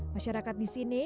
masyarakat di sini